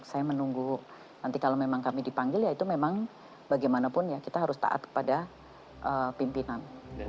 saya menunggu nanti kalau memang kami dipanggil ya itu memang bagaimanapun ya kita harus taat kepada pimpinan